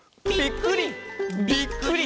「ぴっくり！